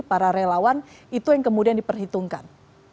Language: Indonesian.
para relawan itu yang kemudian diperhitungkan